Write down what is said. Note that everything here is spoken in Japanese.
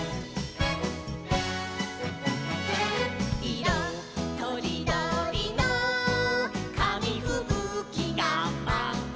「いろとりどりのかみふぶきがまう」